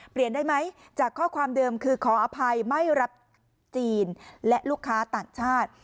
ได้ไหมจากข้อความเดิมคือขออภัยไม่รับจีนและลูกค้าต่างชาติ